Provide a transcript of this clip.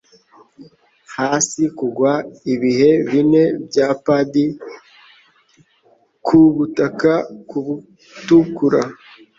Hasi kugwa ibihe bine bya padi kubutaka butukura,